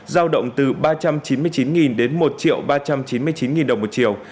giao động từ ba trăm chín mươi chín đồng đến một ba trăm chín mươi chín đồng một chiều